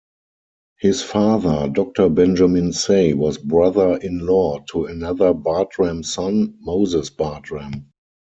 His father, Doctor Benjamin Say, was brother-in-law to another Bartram son, Moses Bartram.